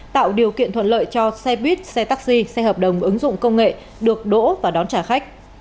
tạo điều kiện thuận lợi cho xe buýt xe taxi xe hợp đồng ứng dụng công nghệ được đỗ và đón trả khách